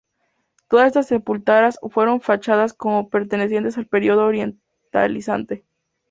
Todas estas sepulturas fueron fechadas como pertenecientes al Período Orientalizante.